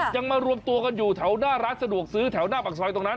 มารวมตัวกันอยู่แถวหน้าร้านสะดวกซื้อแถวหน้าปากซอยตรงนั้น